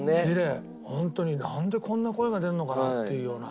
ホントになんでこんな声が出るのかなっていうような。